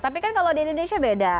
tapi kan kalau di indonesia beda